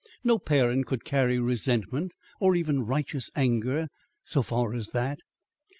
No parent could carry resentment or even righteous anger so far as that.